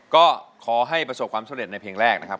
ก็ขอให้ประสบความสำเร็จในเพลงแรกนะครับ